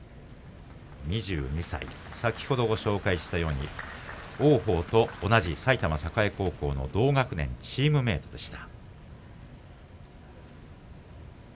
２２歳、先ほどご紹介したように王鵬と同じ埼玉栄高校の同学年チームメートでした。